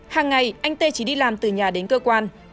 hàng ngày anh tê chỉ đi làm từ nhà đến cơ quan